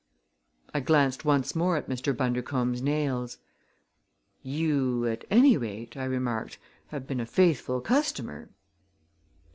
I glanced once more at Mr. Bundercombe's nails. "You, at any rate," I remarked, "have been a faithful customer."